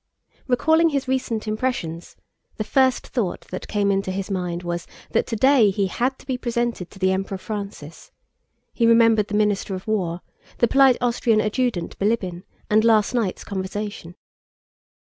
Recalling his recent impressions, the first thought that came into his mind was that today he had to be presented to the Emperor Francis; he remembered the Minister of War, the polite Austrian adjutant, Bilíbin, and last night's conversation.